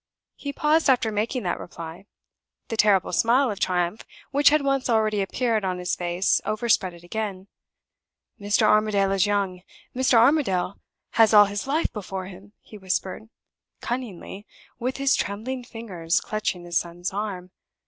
He paused after making that reply. The terrible smile of triumph which had once already appeared on his face overspread it again. "Mr. Armadale is young; Mr. Armadale has all his life before him," he whispered, cunningly, with his trembling fingers clutching his son's arm.